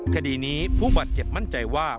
คดีนี้ผู้บาดเจ็บมั่นใจว่า